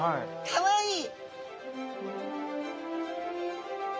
かわいい！